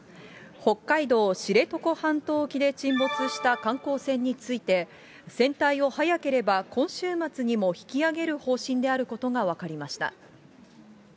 北海道知床半島沖で沈没した観光船について、船体を早ければ今週末にも引き揚げる方針であることが分かりました。